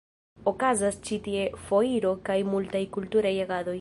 Okazas ĉi tie foiroj kaj multaj kulturaj agadoj.